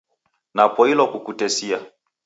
Napoilwa kukutesia